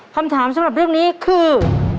คำถามสำหรับเรื่องนี้คือ